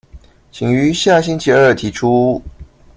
請於下星期二提出